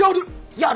やる？